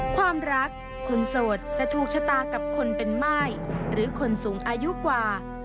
ความรักคนโสดจะถูกชะตากับคนเป็นม่ายหรือคนสูงอายุกว่า